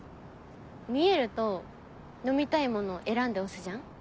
見えると飲みたいものを選んで押すじゃん？